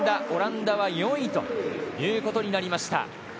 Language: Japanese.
オランダは４位ということになりました。